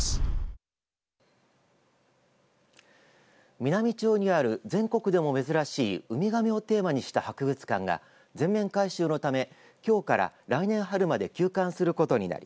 美波町にある全国でも珍しいウミガメをテーマにした博物館が全面改修のため、きょうから来年春まで休館することになり